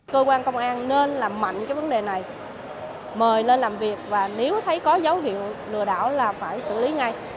cơ quan công an nên làm mạnh cái vấn đề này mời lên làm việc và nếu thấy có dấu hiệu lừa đảo là phải xử lý ngay